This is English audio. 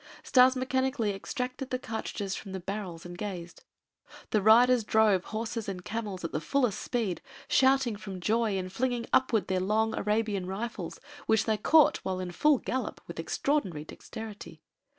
Stas mechanically extracted the cartridges from the barrels and gazed. The riders drove horses and camels at the fullest speed, shouting from joy and flinging upwards their long Arabian rifles, which they caught while in full gallop with extraordinary dexterity.